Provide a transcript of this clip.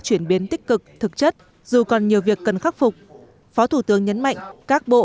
chuyển biến tích cực thực chất dù còn nhiều việc cần khắc phục phó thủ tướng nhấn mạnh các bộ